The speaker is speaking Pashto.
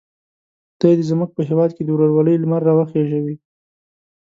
خدای دې زموږ په هیواد کې د ورورولۍ لمر را وخېژوي.